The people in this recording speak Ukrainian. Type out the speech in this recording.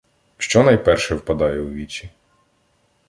Що найперше впадає у вічі?